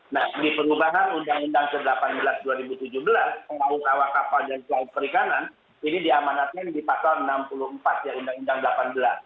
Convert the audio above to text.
nah di perubahan undang undang ke delapan belas dua ribu tujuh belas pengawas awak kapal dan kelaut perikanan ini diamanatkan di pasal enam puluh empat ya undang undang delapan belas